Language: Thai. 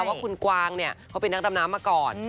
ว่าคุณกวางเนี่ยเขาเป็นนักดำน้ำมาก่อน